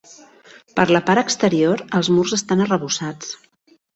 Per la part exterior, els murs estan arrebossats.